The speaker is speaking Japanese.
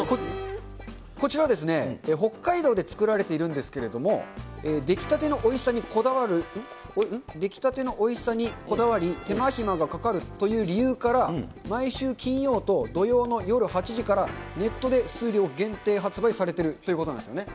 こちらですね、北海道で作られているんですけれども、出来たてのおいしさにこだわり、手間暇がかかるという理由から、毎週金曜と土曜の夜８時から、ネットで数量限定発売されているということなんですよね。